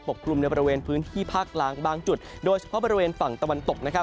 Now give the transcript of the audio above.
กลุ่มในบริเวณพื้นที่ภาคกลางบางจุดโดยเฉพาะบริเวณฝั่งตะวันตกนะครับ